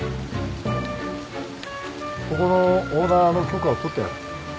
ここのオーナーの許可は取ってある。